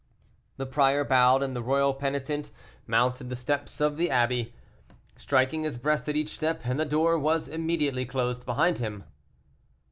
The prior bowed, and the royal penitent mounted the steps of the abbey, striking his breast at each step, and the door was immediately closed behind him.